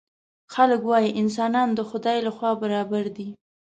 خلک وايي انسانان د خدای له خوا برابر دي.